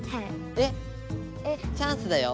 えっ⁉チャンスだよ！